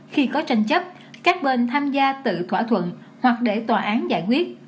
khi có tranh chấp các bên tham gia tự thỏa thuận hoặc để tòa án giải quyết